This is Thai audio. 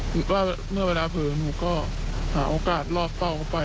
หรือว่าเมื่อเวลาเผลอหนูก็หาโอกาสลอกเฝ้าเข้าไป